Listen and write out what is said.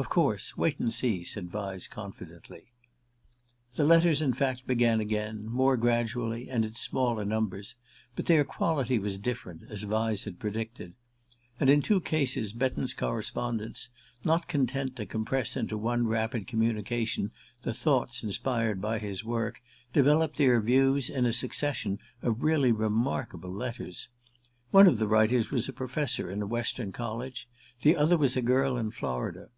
"Of course. Wait and see," said Vyse confidently. The letters in fact began again more gradually and in smaller numbers. But their quality was different, as Vyse had predicted. And in two cases Betton's correspondents, not content to compress into one rapid communication the thoughts inspired by his work, developed their views in a succession of really remarkable letters. One of the writers was a professor in a Western college; the other was a girl in Florida.